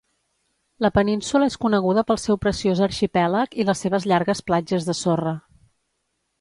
La península és coneguda pel seu preciós arxipèlag i les seves llargues platges de sorra.